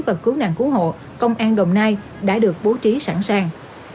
và cứu nạn cứu hộ công an đồng nai đã được bố trí sẵn sàng